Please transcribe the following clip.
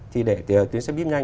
thì để tuyến xe bíp nhanh